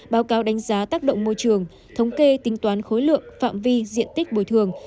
báo cáo đánh giá tác động môi trường thống kê tính toán khối lượng phạm vi diện tích bồi thường